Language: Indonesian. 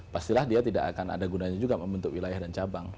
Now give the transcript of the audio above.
pastilah dia tidak akan ada gunanya juga membentuk wilayah dan cabang